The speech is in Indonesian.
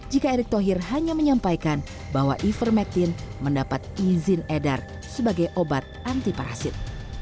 jika erick thohir hanya menyampaikan bahwa ivermectin mendapat izin edar sebagai obat antiparasit